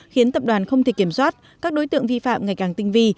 khiến tập đoàn không thể kiểm soát các đối tượng vi phạm ngày càng tinh vi